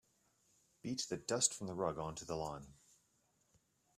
Beat the dust from the rug onto the lawn.